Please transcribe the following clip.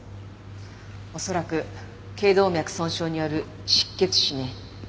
おそらく頸動脈損傷による失血死ね。